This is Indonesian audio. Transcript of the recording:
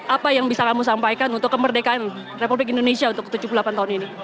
apa yang bisa kamu sampaikan untuk kemerdekaan republik indonesia untuk ke tujuh puluh delapan tahun ini